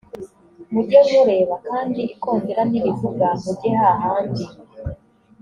mujye mureba kandi ikondera nirivuga mujye hahandi